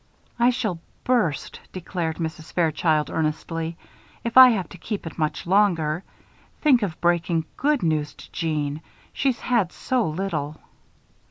"I shall burst," declared Mrs. Fairchild, earnestly, "if I have to keep it much longer. Think of breaking good news to Jeanne she's had so little."